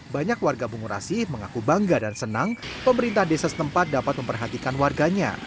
banyak warga bungurasi mengaku bangga dan senang pemerintah desa setempat dapat memperhatikan warganya